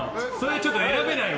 ちょっと選べないわ。